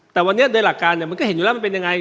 แต่วันนี้โดยหลักการมันก็เห็นอยู่แล้วมันเป็นยังไง